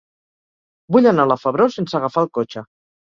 Vull anar a la Febró sense agafar el cotxe.